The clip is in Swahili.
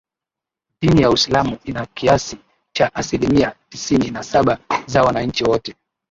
Dini ya Uislamu ina kiasi cha asilimia tisini na saba za wananchi wote